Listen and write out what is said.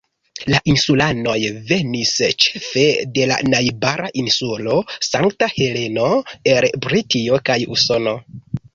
La insulanoj venis ĉefe de la najbara insulo Sankta Heleno, el Britio kaj Usono.